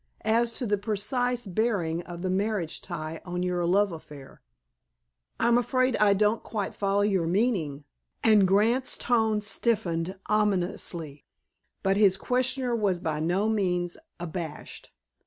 as to the precise bearing of the marriage tie on your love affair?" "I'm afraid I don't quite follow your meaning," and Grant's tone stiffened ominously, but his questioner was by no means abashed.